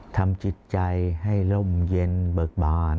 ทำจิตใจให้ร่มเย็นเบิกบาน